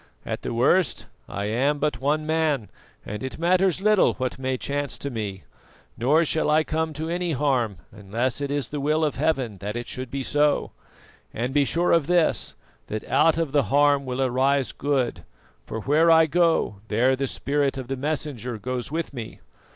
At the worst, I am but one man, and it matters little what may chance to me; nor shall I come to any harm unless it is the will of Heaven that it should be so; and be sure of this, that out of the harm will arise good, for where I go there the spirit of the Messenger goes with me.